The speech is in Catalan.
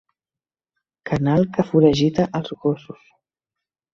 Canal que foragita els gossos.